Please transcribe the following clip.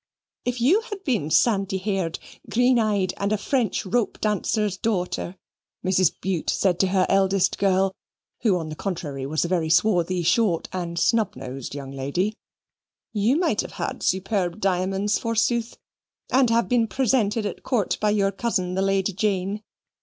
"If you had been sandy haired, green eyed, and a French rope dancer's daughter," Mrs. Bute said to her eldest girl (who, on the contrary, was a very swarthy, short, and snub nosed young lady), "You might have had superb diamonds forsooth, and have been presented at Court by your cousin, the Lady Jane.